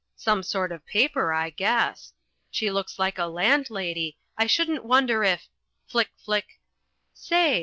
some sort of paper, I guess she looks like a landlady, I shouldn't wonder if Flick, flick! Say!